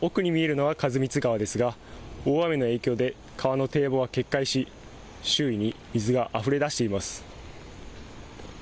私の奥に見えるのが員光川ですが大雨の影響で川の堤防が決壊し周囲に水があふれ出しています。